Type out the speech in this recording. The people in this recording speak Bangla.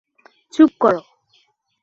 চুপ করো।